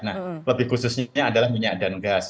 nah lebih khususnya adalah minyak dan gas